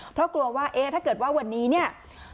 เพราะกลัวว่าเอ๊ะถ้าเกิดว่าวันนี้เนี่ย